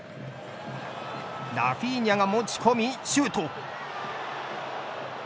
ラフィーニャが持ち込みシュート。